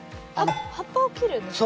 葉っぱを切るんですか？